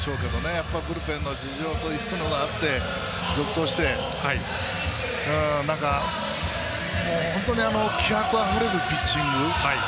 やっぱりブルペンの事情というのがあって続投して本当に気迫あふれるピッチング。